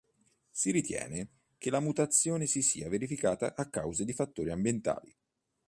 Si ritiene che la mutazione si sia verificata a causa di fattori ambientali.